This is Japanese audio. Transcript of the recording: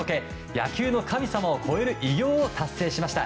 野球の神様を超える偉業を達成しました。